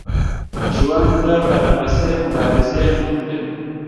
ژوند د پرلپسې مبارزې نوم دی